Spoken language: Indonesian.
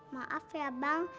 maaf ya bang